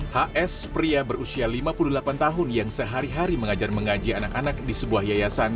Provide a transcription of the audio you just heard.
hai hs pria berusia lima puluh delapan tahun yang sehari hari mengajar mengaji anak anak di sebuah yayasan